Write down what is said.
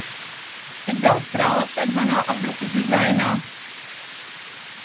Cik daudz krāsu ir manā apdrukas dizainā?